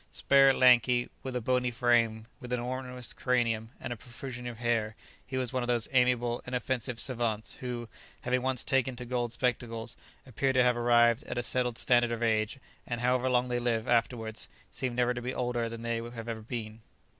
Spare, lanky, with a bony frame, with an enormous cranium, and a profusion of hair, he was one of those amiable, inoffensive savants who, having once taken to gold spectacles, appear to have arrived at a settled standard of age, and, however long they live afterwards, seem never to be older than they have ever been.